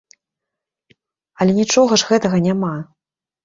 Але нічога ж гэтага няма.